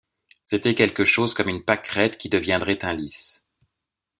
C’était quelque chose comme une pâquerette qui deviendrait un lys.